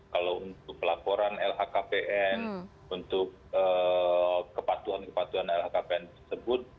kalau untuk pelaporan lhkpn untuk kepatuhan kepatuhan lhkpn tersebut